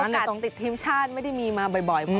โอกาสติดทิมชาติไม่ได้มีมาบ่อยพอมาแล้ว